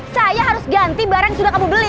saya harus ganti barang yang sudah kamu beli